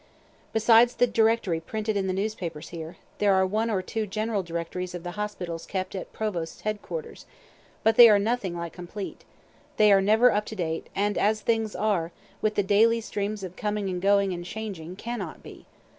Besides the directory printed in the newspapers here, there are one or two general directories of the hospitals kept at provost's head quarters, but they are nothing like complete; they are never up to date, and, as things are, with the daily streams of coming and going and changing, cannot be.